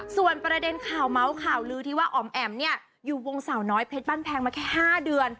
ส่วนประเด็นข่าวเมาส์ข่าวลือที่ว่าอ๋อมแอ๋มเนี่ยอยู่วงสาวน้อยเพชรบ้านแพงมาแค่๕เดือน